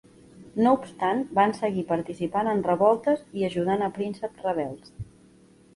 No obstant van seguir participant en revoltes i ajudant a prínceps rebels.